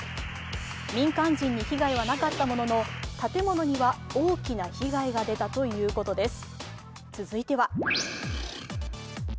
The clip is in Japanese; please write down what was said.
民間人に被害はなかったものの建物には大きな被害が出たということです。